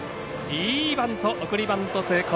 いいバント、送りバント成功。